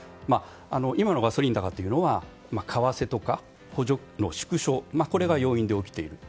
今のガソリン高というのは為替とか補助金の縮小が要因で起きている。